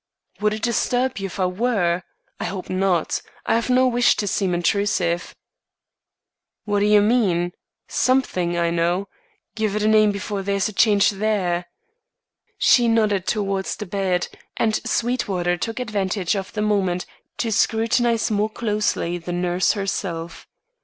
"Would it disturb you if I were? I hope not. I've no wish to seem intrusive." "What do you want? Something, I know. Give it a name before there's a change there." She nodded towards the bed, and Sweetwater took advantage of the moment to scrutinise more closely the nurse herself.